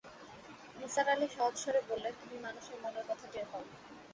নিসার আলি সহজ স্বরে বললেন, তুমি মানুষের মনের কথা টের পাও।